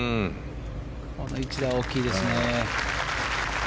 この一打は大きいですね。